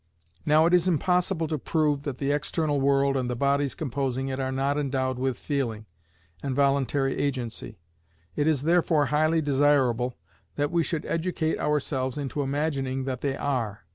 Now it is impossible to prove that the external world, and the bodies composing it, are not endowed with feeling, and voluntary agency. It is therefore highly desirable that we should educate ourselves into imagining that they are.